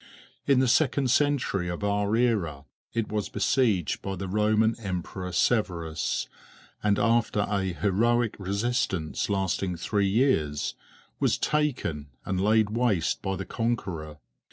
In the second century of our era it was besieged by the Roman emperor Severus, and after a heroic resistance lasting three years, was taken and laid waste by the conqueror.